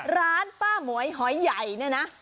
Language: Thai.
ร้านป้าหมวยหอยใหญ่เนี่ยนะ